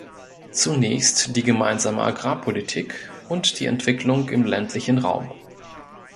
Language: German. Zunächst die Gemeinsame Agrarpolitik und die Entwicklung im ländlichen Raum.